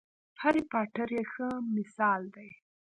هرې پاټر یې ښه مثال دی.